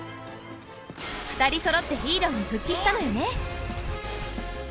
２人そろってヒーローに復帰したのよね。